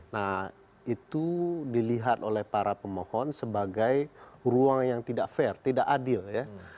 nah itu dilihat oleh para pemohon sebagai ruang yang tidak fair tidak adil ya